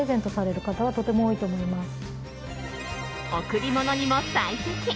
贈り物にも最適！